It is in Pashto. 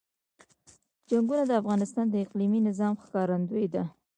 چنګلونه د افغانستان د اقلیمي نظام ښکارندوی ده.